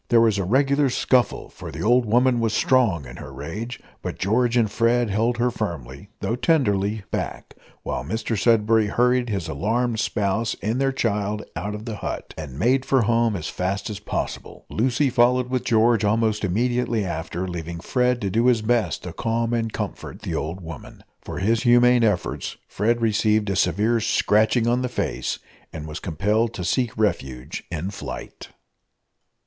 There was a regular scuffle, for the old woman was strong in her rage, but George and Fred held her firmly, though tenderly, back, while Mr Sudberry hurried his alarmed spouse and their child out of the hut, and made for home as fast as possible. Lucy followed with George almost immediately after, leaving Fred to do his best to calm and comfort the old woman. For his humane efforts Fred received a severe scratching on the face, and was compelled to seek refuge in flight.